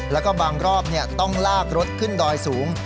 แล้วก็บางรอบต้องลากรถขึ้นดอยสูง